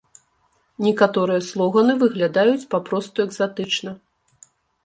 Некаторыя слоганы выглядаюць папросту экзатычна.